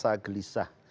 saya merasa gelisah